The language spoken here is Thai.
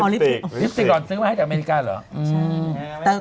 ลิปสติลิปสติกก่อนซื้อมาให้แต่อเมริกาเหรอ